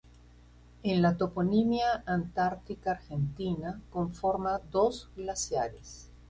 En la toponimia antártica argentina, conforma dos glaciares.